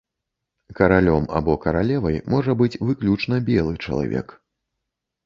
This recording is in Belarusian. Каралём або каралевай можа быць выключна белы чалавек.